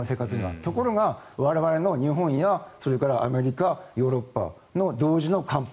ところが、我々日本やそれからアメリカヨーロッパの寒波